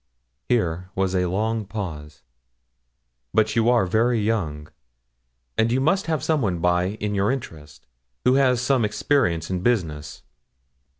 Here was a long pause. 'But you are very young, and you must have some one by in your interest, who has some experience in business.